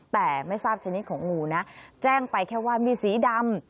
แต่ไม่ทราบชนิดของงูนะแจ้งไปแค่ว่ามีสีดำ